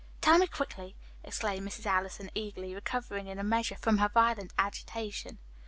"Tell me quickly," exclaimed Mrs. Allison eagerly, recovering in a measure from her violent agitation.